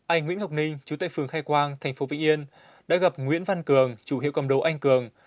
anh nguyễn ngọc ninh chú tại phường khai quang thành phố vĩnh yên đã gặp nguyễn văn cường chủ hiệu cầm đồ anh cường